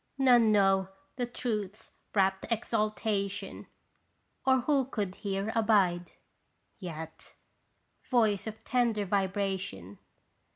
None know the Truth's rapt exaltation, or who could here abide? Yet Voice of tender vibration